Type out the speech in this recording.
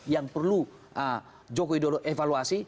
yang perlu joko widodo evaluasi